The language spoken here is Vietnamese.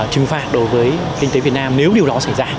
trừng phạt đối với kinh tế việt nam nếu điều đó xảy ra